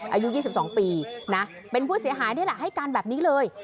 อายุ๒๒ปีนะเป็นผู้เสียหายนี่แหละให้การแบบนี้เลย